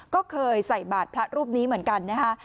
ก็เคยใส่บาทพระรูปนี้เหมือนกันนะฮะ